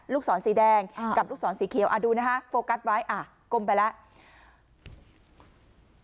ศรสีแดงกับลูกศรสีเขียวดูนะฮะโฟกัสไว้อ่ะก้มไปแล้ว